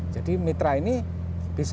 jadi mitra ini bisa